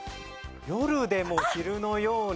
夜でも昼のように。